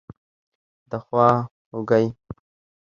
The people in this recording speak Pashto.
دخوا خوګۍ